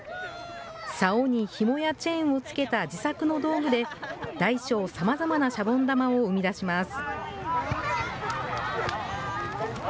さおにひもやチェーンをつけた自作の道具で、大小さまざまなシャボン玉を生み出します。